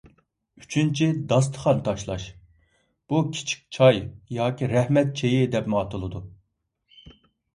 ئۈچىنچى، داستىخان تاشلاش. بۇ «كىچىك چاي» ياكى «رەھمەت چېيى» دەپمۇ ئاتىلىدۇ.